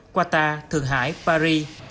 qatar thượng hải paris